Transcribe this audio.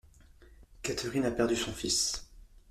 Katherine a perdu son fils.